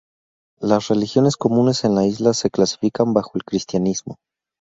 Las religiones comunes en la isla se clasifican bajo el Cristianismo.